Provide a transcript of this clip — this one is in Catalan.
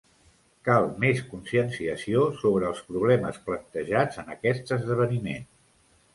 Cal més conscienciació sobre els problemes plantejats en aquest esdeveniment.